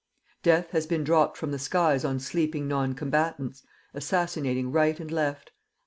Death has been dropped from the skies on sleeping non combatants, assassinating right and left.